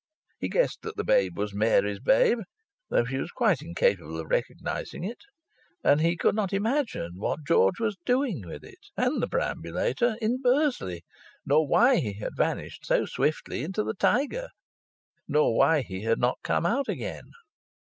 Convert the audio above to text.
He guessed that the babe was Mary's babe, though he was quite incapable of recognizing it. And he could not imagine what George was doing with it (and the perambulator) in Bursley, nor why he had vanished so swiftly into the Tiger, nor why he had not come out again.